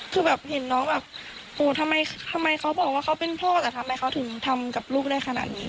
คือแบบเห็นน้องแบบโหทำไมเขาบอกว่าเขาเป็นพ่อแต่ทำไมเขาถึงทำกับลูกได้ขนาดนี้